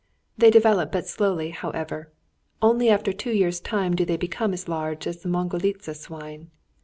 They develop but slowly, however; only after two years' time do they become as large as the Mangalicza swine.